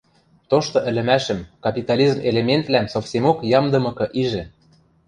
тошты ӹлӹмӓшӹм, капитализм элементвлӓм совсемок ямдымыкы ижӹ